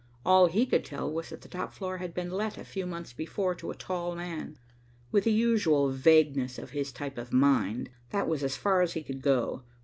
All he could tell was that the top floor had been let a few months before to a tall man. With the usual vagueness of his type of mind, that was as far as he could go.